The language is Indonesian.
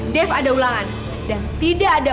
def ada ulangan dan tidak ada